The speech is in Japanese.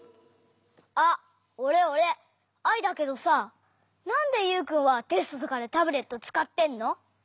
あっおれおれアイだけどさなんでユウくんはテストとかでタブレットつかってんの？